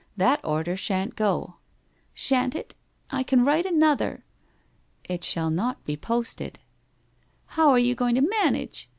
That order shan't go.' 1 Shan't it? I can write another.' ' It shall not be posted/ * How are you going to manage